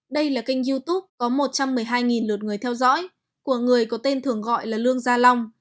đây là kênh youtube có một trăm một mươi hai lượt người theo dõi của người có tên thường gọi là lương gia long